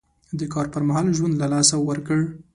د کار پر مهال ژوند له لاسه ورکړ.